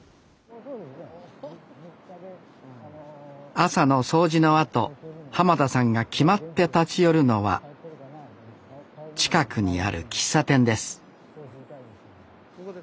朝の掃除のあと田さんが決まって立ち寄るのは近くにある喫茶店です